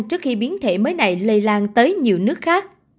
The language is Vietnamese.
trước khi biến thể mới này lây lan tới nhiều nước khác